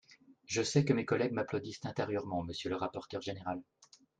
Je sais que mes collègues m’applaudissent intérieurement, monsieur le rapporteur général